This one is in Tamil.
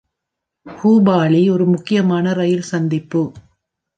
ஹுபாளி ஒரு முக்கியமான ரயில் சந்திப்பு.